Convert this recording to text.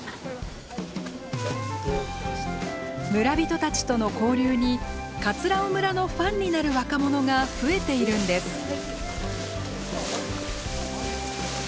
村人たちとの交流に尾村のファンになる若者が増えているんです。